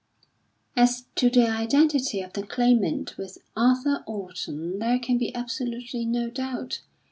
As to the identity of the Claimant with Arthur Orton there can be absolutely no doubt.